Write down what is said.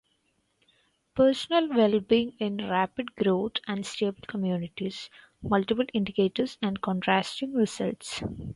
Personal Well-Being in Rapid Growth and Stable Communities: Multiple Indicators and Contrasting Results.